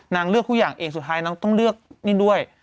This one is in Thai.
เลือกทุกอย่างเองสุดท้ายนางต้องเลือกนี่ด้วย